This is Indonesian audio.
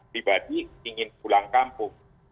dari kesehatan pribadi ingin pulang kampung